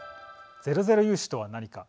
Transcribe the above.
ゼロゼロ融資とは何か。